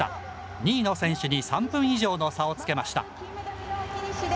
２位の選手に３分以上の差をつけました。